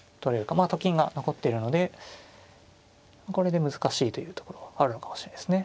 と金が残ってるのでこれで難しいというところはあるのかもしれないですね。